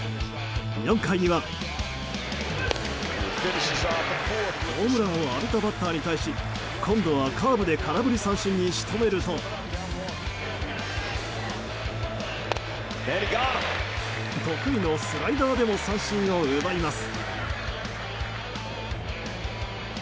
４回には、ホームランを浴びたバッターに対し今度はカーブで空振り三振に仕留めると得意のスライダーでも三振を奪います。